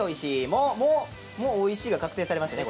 もうもうおいしいが確定されましたね